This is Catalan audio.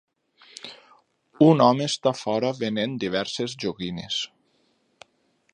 Un home està fora venent diverses joguines.